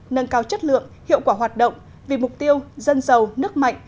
nâng cao chất lượng hiệu quả hoạt động vì mục tiêu dân giàu nước mạnh